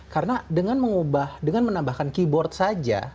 karena dengan menambahkan keyboard saja